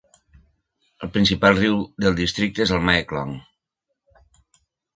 El principal riu del districte és el Mae Klong.